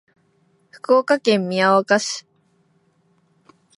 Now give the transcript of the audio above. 福岡県宮若市